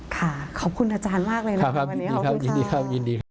ค่ะขอบคุณอาจารย์มากเลยนะครับวันนี้ขอบคุณครับ